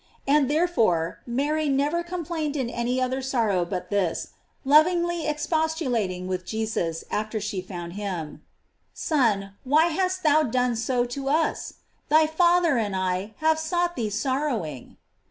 And therefore Mary never complained in any other sorrow but this, lovingly expostulating with Jesus after she found him : "Son, why hast thou done so to us? Thy father and I have sought thee sorrowing."!